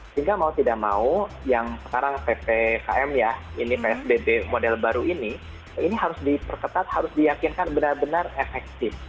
sehingga mau tidak mau yang sekarang ppkm ya ini psbb model baru ini ini harus diperketat harus diyakinkan benar benar efektif